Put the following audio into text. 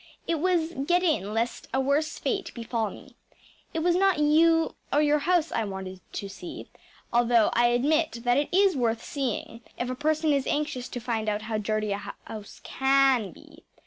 It was get in lest a worse fate befall me. It was not you or your house I wanted to see although I admit that it is worth seeing if a person is anxious to find out how dirty a place CAN be.